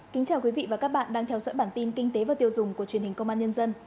kính chào quý vị và các bạn đang theo dõi bản tin kinh tế và tiêu dùng của truyền hình công an nhân dân